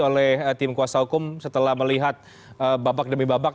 oleh tim kuasa hukum setelah melihat babak demi babak